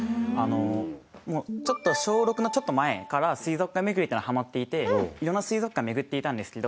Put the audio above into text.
小６のちょっと前から水族館巡りというのにハマっていていろんな水族館を巡っていたんですけど。